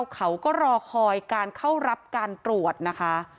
เขาก็รอคอยการเข้ารับการตรวจนะคะ